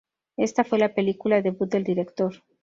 Esta fue la película debut del director.